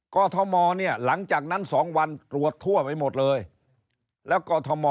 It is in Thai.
อทมเนี่ยหลังจากนั้น๒วันตรวจทั่วไปหมดเลยแล้วกอทม